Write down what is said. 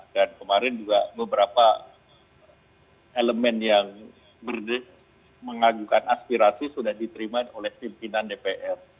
dan kemarin juga beberapa elemen yang mengagukan aspirasi sudah diterima oleh pimpinan dpr